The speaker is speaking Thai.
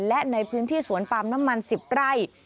และในพื้นที่สวนปาล์มน้ำมัน๑๐ไร่